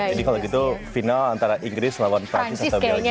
jadi kalau gitu final antara inggris lawan prancis atau belgia ya